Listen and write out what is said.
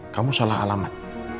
kamu salah alamat